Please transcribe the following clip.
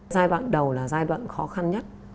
giai đoạn đầu là giai đoạn khó khăn nhất